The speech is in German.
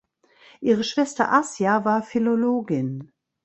Ihre Schwester Asja war Philologin.